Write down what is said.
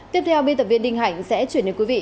tiếp theo biên tập viên đinh hạnh sẽ chuyển đến quý vị